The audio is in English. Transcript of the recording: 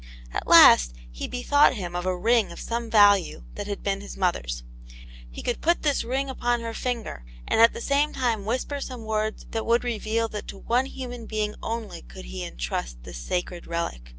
At last he bethought him of a ring of some value, that had been his mother's. He could put this ring upon her finger, and at the same time whisper some words that would reveal that to one human being only could he entrust this sacred relic.